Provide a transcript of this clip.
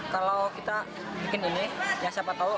kalau kita bikin ini ya siapa tahu